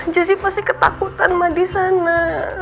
jessy pasti ketakutan ma di sana